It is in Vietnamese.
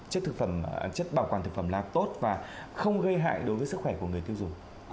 chất bảo quản thực phẩm là tốt và không gây hại đối với sức khỏe của người tiêu dùng